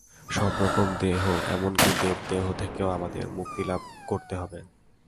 সব রকম দেহ, এমন-কি দেবদেহ থেকেও আমাদের মুক্তিলাভ করতে হবে।